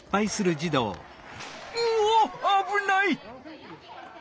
うわっあぶない！